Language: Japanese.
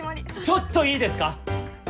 ちょっといいですか。